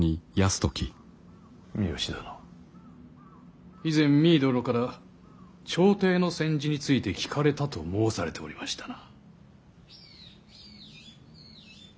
三善殿以前実衣殿から朝廷の宣旨について聞かれたと申されておりましたな。